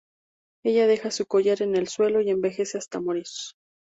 Ella deja su collar en el suelo y envejece hasta morir.